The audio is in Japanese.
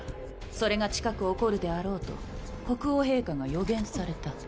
それが近く起こるであろうと国王陛下が予言された。